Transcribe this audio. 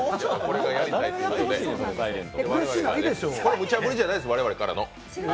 むちゃぶりじゃないです我々からの。